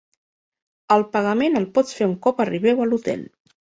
El pagament el pots fer un cop arribeu a l'hotel.